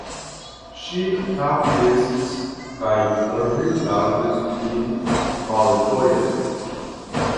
Ŝi kapjesis kaj rigardis min malĝoje.